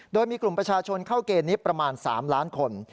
โดยมีกลุ่มประชาชนเข้าเกณฑ์นี้ประมาณ๓ล้านคน